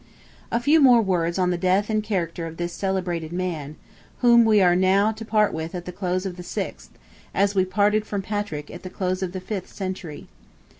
A few words more on the death and character of this celebrated man, whom we are now to part with at the close of the sixth, as we parted from Patrick at the close of the fifth century.